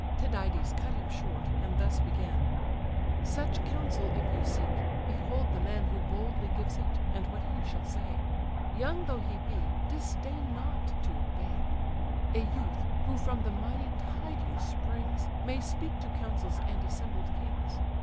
Tydides cut him short, and thus began: "Such counsel if you seek, behold the man Who boldly gives it, and what he shall say, Young though he be, disdain not to obey: A youth, who from the mighty Tydeus springs, May speak to councils and assembled kings.